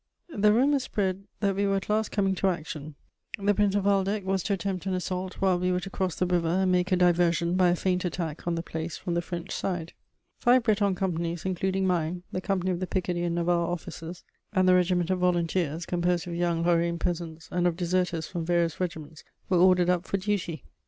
The rumour spread that we were at last coming to action; the Prince of Waldeck was to attempt an assault while we were to cross the river and make a diversion by a feint attack on the place from the French side. [Sidenote: My company.] Five Breton companies, including mine, the company of the Picardy and Navarre officers, and the regiment of volunteers, composed of young Lorraine peasants and of deserters from various regiments, were ordered up for duty.